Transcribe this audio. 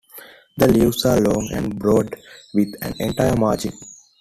The leaves are long and broad, with an entire margin.